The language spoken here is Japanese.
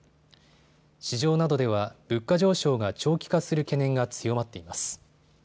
市場などでは物価上昇が長期化する懸念が強まっています。